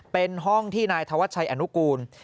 เป็นห้องที่นายธวัชชัยอนุกูล